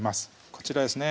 こちらですね